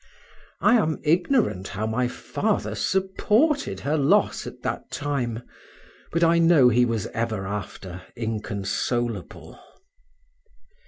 I am ignorant how my father supported her loss at that time, but I know he was ever after inconsolable.